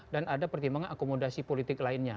dan ada pertimbangan akomodasi politik lainnya